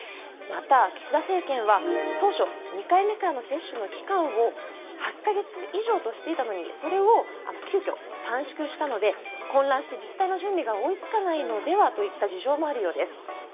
また岸田政権は当初、２回目からの接種の期間を８か月以上としていたのにそれを急きょ短縮したので混乱して、自治体の準備が追い付かないのではという事情もあるようです。